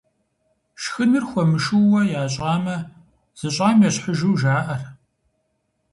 Шхыныр хуэмышууэ ящӀамэ, зыщӀам ещхьыжу жаӀэ.